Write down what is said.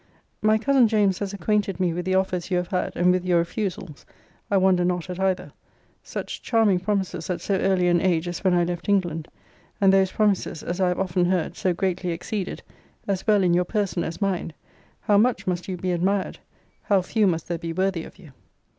My cousin James has acquainted me with the offers you have had, and with your refusals. I wonder not at either. Such charming promises at so early an age as when I left England; and those promises, as I have often heard, so greatly exceeded, as well in your person as mind; how much must you be admired! how few must there be worthy of you!